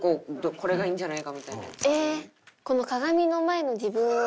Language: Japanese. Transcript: これがいいんじゃないかみたいなやつ。